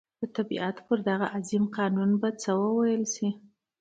د طبعیت پر دغه عظیم قانون به څه وویل شي.